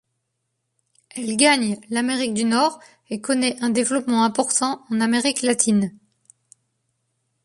Elle gagne l'Amérique du Nord et connaît un développement important en Amérique latine.